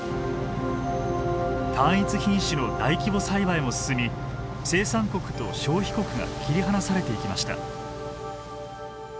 単一品種の大規模栽培も進み生産国と消費国が切り離されていきました。